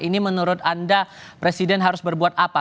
ini menurut anda presiden harus berbuat apa